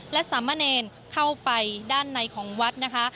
และสามเณรเข้าไปด้านในของวัดนะคะ